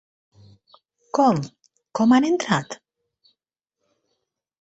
Com, com han entrat?